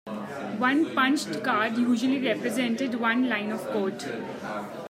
One punched card usually represented one line of code.